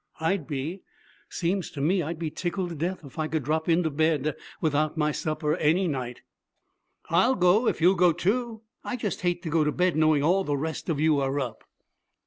'I'd be. Seems to me I'd be tickled to death if I could drop into bed without my supper any night.' 'I'll go if you'll go, too. I just hate to go to bed knowing all the rest of you are up.'